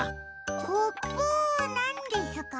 コプなんですか？